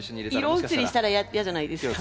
色移りしたら嫌じゃないですか。